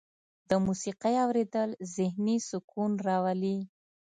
د موسیقۍ اوریدل ذهني سکون راوړي.